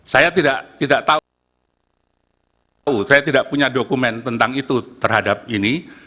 saya tidak tahu saya tidak punya dokumen tentang itu terhadap ini